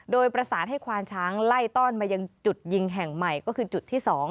โดยประสานให้ควานช้างไล่ต้อนมายังจุดยิงแห่งใหม่ก็คือจุดที่๒